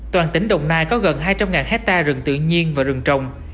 toàn tỉnh đồng nai có gần hai trăm linh hectare rừng tự nhiên và rừng trồng